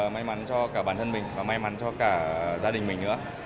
may mắn cho cả bản thân mình và may mắn cho cả gia đình mình nữa